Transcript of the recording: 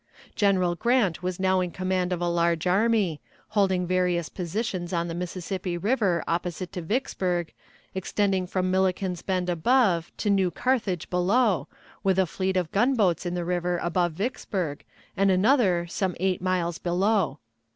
General Grant was now in command of a large army, holding various positions on the Mississippi River opposite to Vicksburg, extending from Milliken's Bend above to New Carthage below, with a fleet of gunboats in the river above Vicksburg, and another some eight miles below.